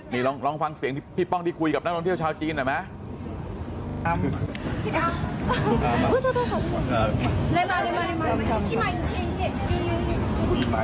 นี่ลองฟังเสียงที่พี่ป้องที่คุยกับนักท่องเที่ยวชาวจีนหน่อยไหม